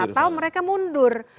atau mereka mundur